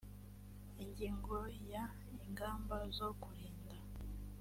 ingingo ya ingamba zo kurinda